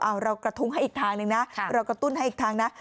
เอาเรากระทุ้งให้อีกทางหนึ่งนะเรากระตุ้นให้อีกทางนะ